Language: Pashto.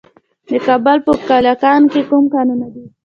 د کابل په کلکان کې کوم کانونه دي؟